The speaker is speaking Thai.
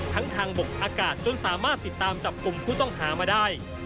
ทางบกอากาศจนสามารถติดตามจับกลุ่มผู้ต้องหามาได้